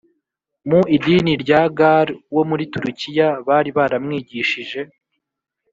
Mu idini rya ga ar wo muri turukiya bari baramwigishije